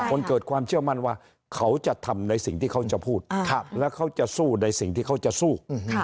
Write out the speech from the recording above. คนเกิดความเชื่อมั่นว่าเขาจะทำในสิ่งที่เขาจะพูดแล้วเขาจะสู้ในสิ่งที่เขาจะสู้